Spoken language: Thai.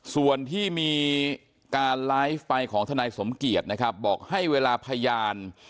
ส่วนที่มีการไลฟ์ไปของทนายสมเกียจนะครับบอกให้เวลาพยาน